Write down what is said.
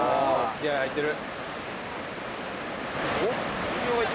気合い入ってる。